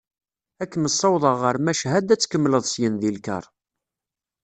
Ad kem-ssawḍeɣ ɣer Machad ad tkemmleḍ syen deg lkaṛ.